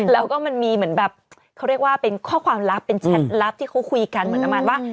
แล้วก็มันมีเหมือนแบบเขาเรียกว่าเป็นข้อความลับเป็นแชทลับที่เขาคุยกันเหมือนประมาณว่า